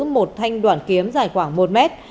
một thanh đoạn kiếm dài khoảng một mét